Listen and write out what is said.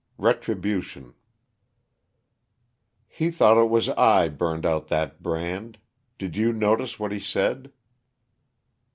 RETRIBUTION "He thought it was I burned out that, brand; did you notice what he said?"